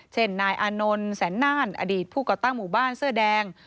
เช่นนายอานนท์แสนน่านอดีตผู้ก่อตั้งหมู่บ้านเสื้อแดง